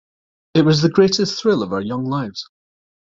It was the greatest thrill of our young lives.